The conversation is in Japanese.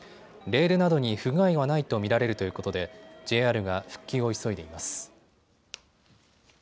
レールなどに不具合はないと見られるということでＪＲが復旧を急いでいます。